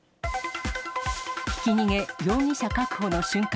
ひき逃げ、容疑者確保の瞬間。